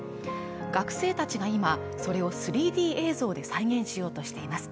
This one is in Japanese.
学生たちが今それを３Ｄ映像で再現しようとしています